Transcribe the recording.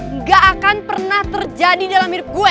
enggak akan pernah terjadi dalam mirip gue